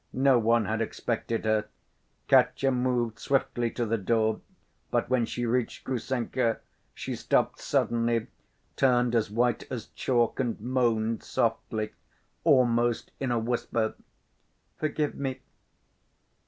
No one had expected her. Katya moved swiftly to the door, but when she reached Grushenka, she stopped suddenly, turned as white as chalk and moaned softly, almost in a whisper: "Forgive me!"